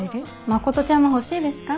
真ちゃんも欲しいですか？